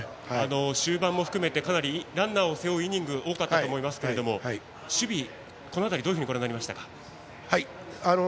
終盤も含めて、かなりランナーを背負うイニングが多かったと思いますけれども守備の辺りはどうご覧になりましたか？